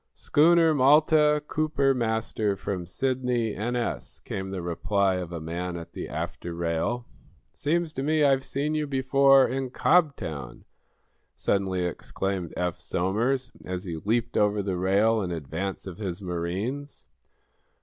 "Schooner 'Malta,' Cooper, master, from Sidney, N.S.," came the reply of a man at the after rail. "Seems to me I've seen you before, in Cobtown!" suddenly exclaimed Eph Somers, as he leaped over the rail in advance of his marines.